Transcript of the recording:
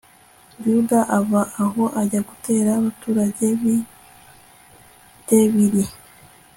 yuda ava aho ajya gutera abaturage b'i debiri